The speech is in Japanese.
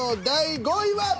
第５位は。